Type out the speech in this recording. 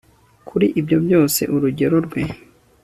Kuri ibyo byose urugero rwe